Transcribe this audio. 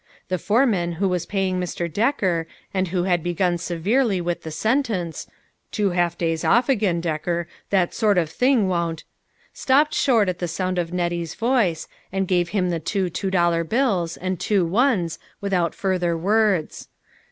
The foreman who was paying Mr. Decker, and who had begun severely with the sentence :" Two half days off again, Decker ; that sort of thing won't " stopped short at the sound of Nettie's voice, and gave him the two two dollar bills, and two ones, without further words.